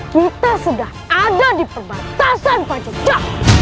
kita sudah ada di perbatasan pajak